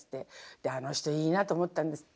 であの人いいなと思ったんですって。